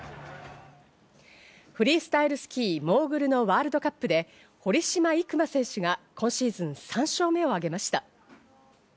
フリースタイルスキー・モーグルのワールドカップで、堀島行真選手が今シーズン３勝目を挙げました。